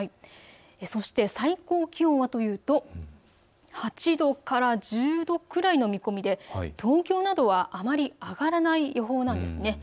そして最高気温はというと８度から１０度くらいの見込みで東京などはあまり上がらない予報です。